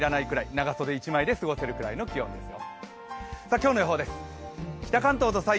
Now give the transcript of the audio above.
長袖１枚で過ごせるくらいの気温ですよ。